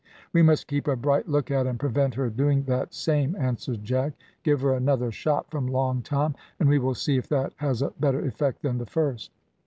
"We must keep a bright lookout and prevent her doing that same," answered Jack. "Give her another shot from Long Tom, and we will see if that has a better effect than the first."